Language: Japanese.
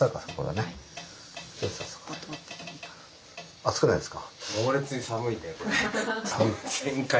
暑くないですか？